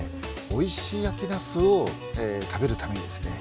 おいしい秋ナスを食べるためにですね